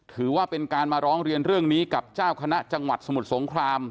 ถือว่าเป็นการมาร้องเรียนเรื่องนี้กับเจ้าคณะจังหวัดสมุทรสงคราม